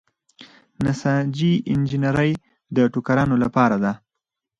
نساجي انجنیری د ټوکرانو لپاره ده.